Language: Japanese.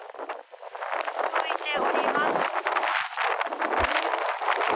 ふぶいております。